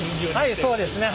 はいそうですね。